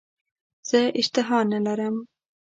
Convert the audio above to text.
زه اشتها نه لرم .